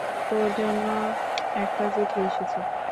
তোর জন্য একটা চিঠি এসেছে।